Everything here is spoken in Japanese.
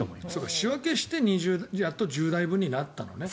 仕分けしてやっと１０台分になったのね。